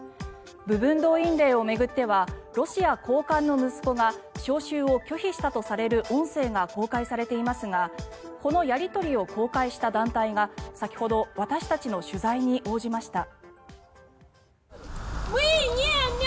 部分動員令を巡ってはロシア高官の息子が招集を拒否したとされる音声が公開されていますがこのやり取りを公開した団体が先ほど私たちの取材に応じました。